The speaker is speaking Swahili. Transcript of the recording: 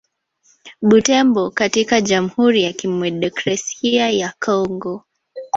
Butembo katika Jamhuri ya Kidemokrasia ya Kongo